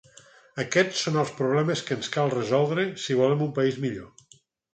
Aquests són els problemes que ens cal resoldre si volem un país millor.